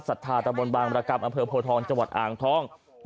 สัตว์ธาตุบรรมรกรรมอเภอโพธรจังหวัดอ่างท้อง